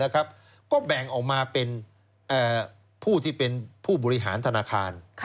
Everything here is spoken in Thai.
ก็แบ่งออกมาเป็นผู้ที่เป็นผู้บริหารธนาคาร